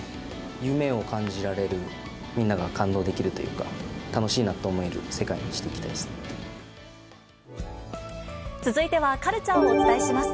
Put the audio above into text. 夢を感じられる、みんなが感動できるというか、楽しいなと思える世界にしていき続いてはカルチャーをお伝えします。